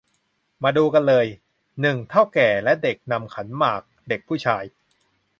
มาดูกันเลย หนึ่ง เถ้าแก่และเด็กนำขันหมาก เด็กผู้ชาย